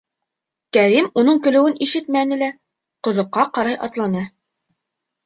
Кәрим уның көлөүен ишетмәне лә, ҡоҙоҡҡа ҡарай атланы.